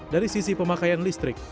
dari sisi pemakaian listrik